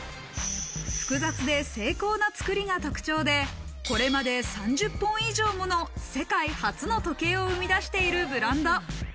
複雑で精巧な作りが特徴で、これまで３０本以上もの世界初の時計を生み出しているブランド。